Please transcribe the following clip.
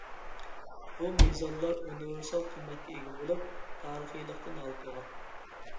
بۇ مىزانلار ئۇنىۋېرسال قىممەتكە ئىگە بولۇپ، تارىخىيلىقتىن ھالقىغان.